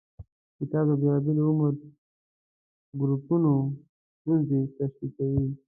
کتاب د بېلابېلو عمر ګروپونو ستونزې تشریح کوي.